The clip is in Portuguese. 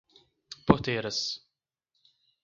Porteiras